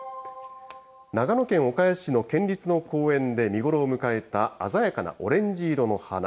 長野県岡谷市の県立の公園で見頃を迎えた鮮やかなオレンジ色の花。